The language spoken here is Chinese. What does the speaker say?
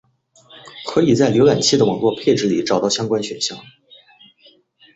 可以在浏览器的网络配置里找到相关选项。